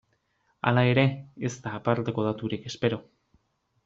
Hala ere, ez da aparteko daturik espero.